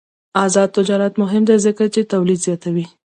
آزاد تجارت مهم دی ځکه چې تولید زیاتوي.